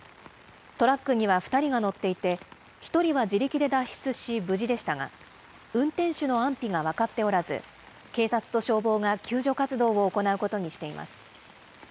トラックには２人が乗っていて、１人は自力で脱出し無事でしたが、運転手の安否が分かっておらず、警察と消防が救助活動を行うことにしています。